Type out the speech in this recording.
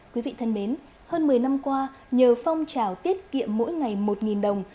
quý vị thân mến hơn một mươi năm qua nhờ phong trào tiết kiệm mỗi ngày một đồng